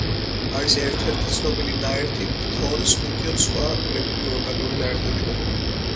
არის ერთ-ერთი ცნობილი ნაერთი ფთორის ხუთი სხვა ბუნებრივი ორგანული ნაერთებიდან.